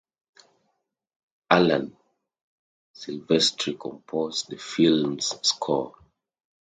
Alan Silvestri composed the film's score.